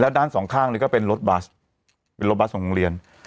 ด้านสองข้างนี่ก็เป็นรถบัสเป็นรถบัสของโรงเรียน